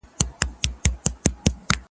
دا تاريخ دمېړنيو `